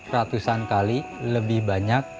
ratusan kali lebih banyak